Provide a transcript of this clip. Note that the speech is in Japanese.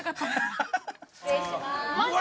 ・失礼します。